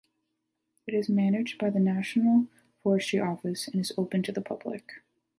It is managed by the National Forestry Office and is open to the public.